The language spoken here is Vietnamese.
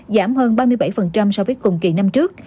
giảm hơn ba mươi bảy so với cùng kỳ năm trước